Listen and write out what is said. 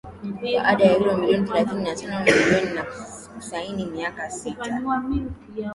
kwa ada ya Euro milioni thelathini na tano milioni na kusaini miaka sita